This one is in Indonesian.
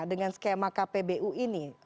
dengan skema kpbu ini